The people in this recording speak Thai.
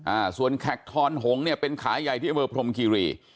อ่าส่วนแขกทอนหงเนี่ยเป็นขาใหญ่ที่อำเภอพรมคีรี